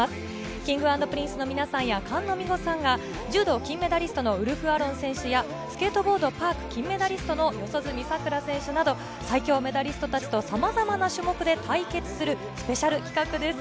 Ｋｉｎｇ＆Ｐｒｉｎｃｅの皆さんや菅野美穂さんが柔道金メダリストのウルフ・アロン選手や、スケートボードパーク金メダリストの四十住さくら選手など、最強メダリストたちとさまざまな種目で対決するスペシャル企画です。